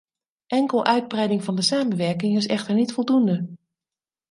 Enkel uitbreiding van de samenwerking is echter niet voldoende.